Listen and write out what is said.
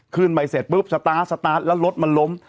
ขึ้นไปเสร็จปุ๊บสตาร์ทสตาร์ทแล้วรถมันล้ม